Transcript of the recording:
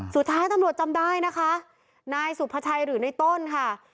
สุดท้ายตำรวจจำได้นะคะนายสุภาชัยหรือในต้นค่ะ